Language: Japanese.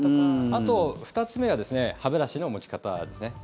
あと、２つ目は歯ブラシの持ち方ですね。